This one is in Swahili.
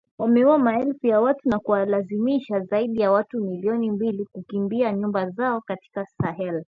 Wameua maelfu ya watu na kuwalazimisha zaidi ya watu milioni mbili kukimbia nyumba zao katika Sahel